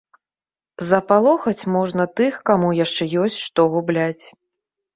Запалохаць можна тых, каму яшчэ ёсць што губляць.